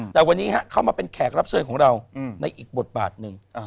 แต่วันนี้เขามาเป็นแขกรับเชิญของเราในอีกบทบาทหนึ่ง